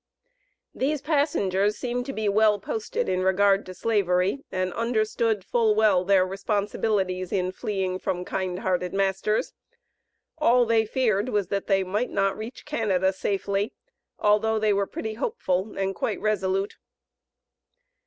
These passengers seemed to be well posted in regard to Slavery, and understood full well their responsibilities in fleeing from "kind hearted" masters. All they feared was that they might not reach Canada safely, although they were pretty hopeful and quite resolute.